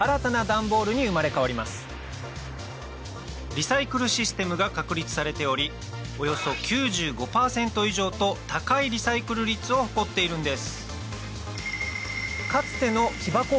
リサイクルシステムが確立されておりおよそ９５％以上と高いリサイクル率を誇っているんです